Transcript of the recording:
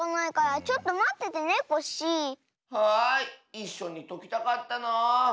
いっしょにときたかったなあ。